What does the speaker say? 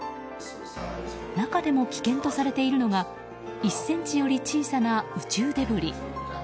中でも危険とされているのが１ｃｍより小さな宇宙デブリ。